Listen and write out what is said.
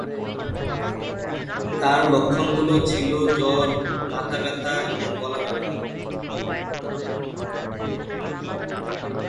তার লক্ষণগুলো ছিল জ্বর, মাথা ব্যাথা এবং গলা ব্যাথা।